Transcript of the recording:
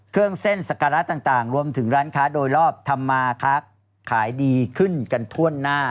เครื่องเส้นสการะต่างรวมถึงร้านค้าโดยรอบทำมาครับขายดีขึ้นกันทั่วหน้า